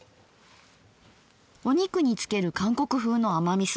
お肉に付ける韓国風の甘みそ。